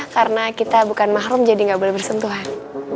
karena kita bukan mahrum jadi gak boleh bersentuhan